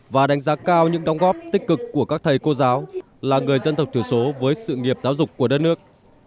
và đánh giá cao những đóng góp tích cực của các thầy cô giáo là người dân tộc thiểu số với sự nghiệp giáo dục của đất nước